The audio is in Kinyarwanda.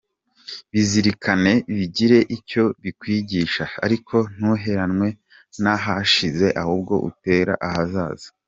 Bizirikane, bigire icyo bikwigisha ariko ntuherenwe n’ahashize ahubwo utegure ahazaza.